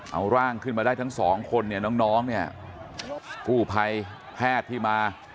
เอาร่างขึ้นมาได้ทั้งสองคนเนี่ยน้องเนี่ยกู้ภัยแพทย์ที่มา